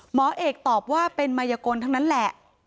หมอเอกตอบว่าเป็นมายกลทั้งนั้นแหละ